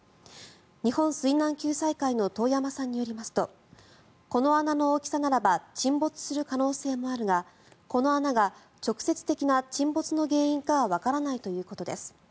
日本水難救済会の遠山さんによりますとこの穴の大きさならば沈没する可能性もあるがこの穴が直接的な沈没の原因かはわからないということです。